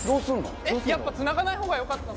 やっぱつながないほうがよかったの？